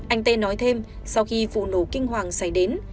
anh tê nói thêm sau khi vụ nổ kinh hoàng xảy đến